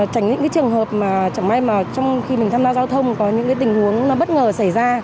tránh những cái trường hợp mà chẳng may mà trong khi mình tham gia giao thông có những cái tình huống nó bất ngờ xảy ra